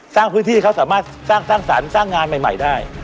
สร้างพื้นที่ให้เขาสามารถสร้างสรรค์สร้างงานใหม่ได้